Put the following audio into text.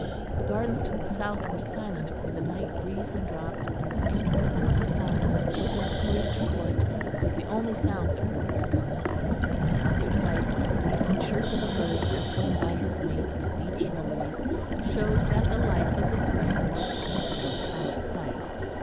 The gardens to the south were silent, for the night breeze had dropped; and the faint ripple of the fountain within the cloister court was the only sound that broke the stillness. And once or twice the sleepy chirp of a bird nestling by his mate in the deep shrubberies showed that the life of the spring was beating out of sight.